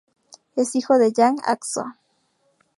Es hijo de Jang Ah-sook.